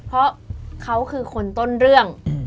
เพราะเขาคือคนต้นเรื่อง